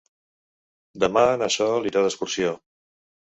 Demà na Sol irà d'excursió.